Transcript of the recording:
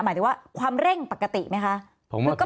หมายถึงว่าความเร่งปกติไหมคะ